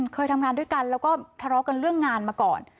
เคยทำงานด้วยกันแล้วก็ทะเลาะกันเรื่องงานมาก่อน